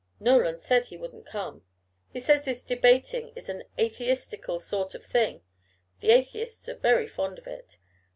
Nolan said he wouldn't come. He says this debating is an atheistical sort of thing; the Atheists are very fond of it.